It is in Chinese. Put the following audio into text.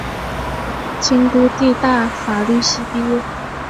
京都帝大法律系毕业。